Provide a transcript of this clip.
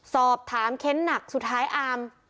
สอบถามเค้นหนักสุดท้ายอาร์ม